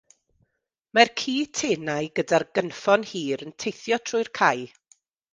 Mae'r ci tenau gyda'r gynffon hir yn teithio trwy'r cae.